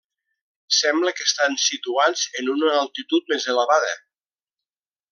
Sembla que estan situats en una altitud més elevada.